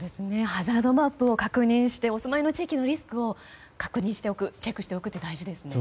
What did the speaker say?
ハザードマップを確認してお住まいの地域のリスクを確認しておくチェックしておくって大事ですね。